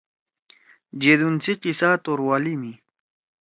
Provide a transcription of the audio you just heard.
(جیدُون سی قصّہ توروالی می)